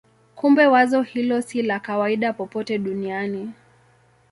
Kumbe wazo hilo si la kawaida popote duniani.